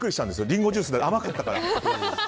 リンゴジュースで甘かったから。